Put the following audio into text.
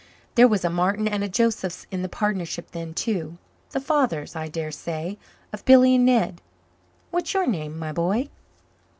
There was a Martin and a Josephs in the partnership then too the fathers, I dare say, of Billy and Ned. What is your name, my boy?"